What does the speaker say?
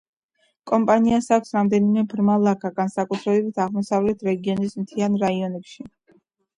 კომპანიას აქვს რამდენიმე ბრმა ლაქა, განსაკუთრებით აღმოსავლეთ რეგიონის მთიან რაიონებში.